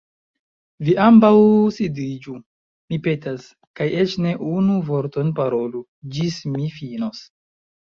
Vi ambaŭ sidiĝu, mi petas. Kaj eĉ ne unu vorton parolu, ĝis mi finos."